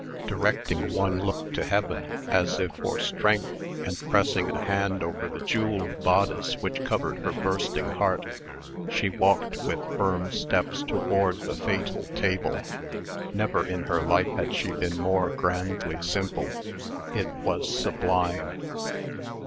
Directing one look to heaven, as if for strength, and pressing a hand over the jewelled bodice which covered her bursting heart, she walked with firm steps toward the fatal table. Never in her life had she been more grandly simple. It was sublime!